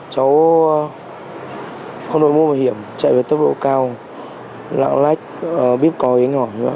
cháu không đối môn bảo hiểm chạy về tốc độ cao lạng lách biết có hình hỏi